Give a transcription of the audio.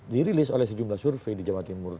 dirilis oleh sejumlah survei di jawa timur